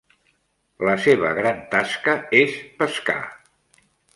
La seva gran tasca és pescar.